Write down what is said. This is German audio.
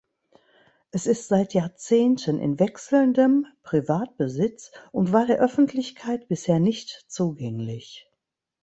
Es ist seit Jahrzehnten in wechselndem Privatbesitz und war der Öffentlichkeit bisher nicht zugänglich.